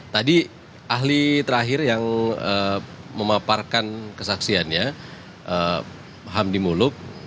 tadi ahli terakhir yang memaparkan kesaksiannya hamdi muluk